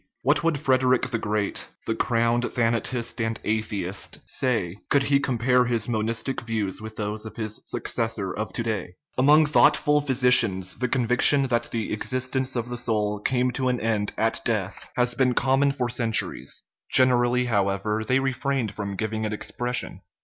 What would Frederick the Great, the " crowned thana tist and atheist/' say, could he compare his monistic views with those of his successor of to day ? Among thoughtful physicians the conviction that the existence of the soul came to an end at death has been common for centuries: generally, however, they re frained from giving it expression.